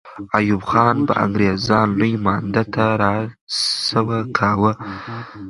ایوب خان به انګریزان لوی مانده ته را سوه کاوه.